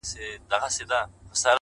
تا څه کول جانانه چي راغلی وې وه کور ته،